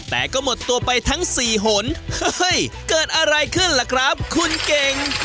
แต่ก็หมดตัวไปทั้งสี่หนเฮ้ยเกิดอะไรขึ้นล่ะครับคุณเก่ง